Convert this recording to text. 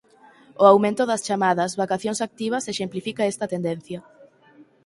O aumento das chamadas "vacacións activas" exemplifica esta tendencia.